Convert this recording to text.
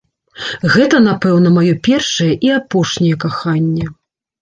Гэта, напэўна, маё першае і апошняе каханне.